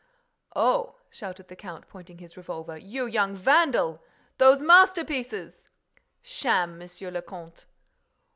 "Oh!" shouted the count, pointing his revolver. "You young vandal!—Those masterpieces!" "Sham, Monsieur le Comte!"